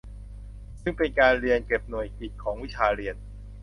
ซึ่งเป็นการเรียนเก็บหน่วยกิตของวิชาเรียน